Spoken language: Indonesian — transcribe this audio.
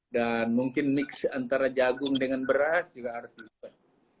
dan mungkin mix antara jagung dengan beras juga harus diperhatikan